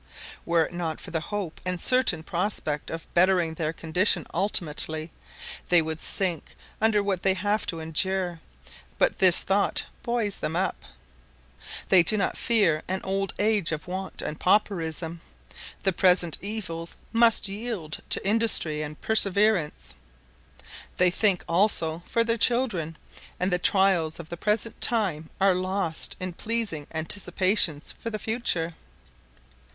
Were it not for the hope and the certain prospect of bettering their condition ultimately, they would sink under what they have to endure; but this thought buoys them up. They do not fear an old age of want and pauperism; the present evils must yield to industry and perseverance; they think also for their children; and the trials of the present time are lost in pleasing anticipations for the future.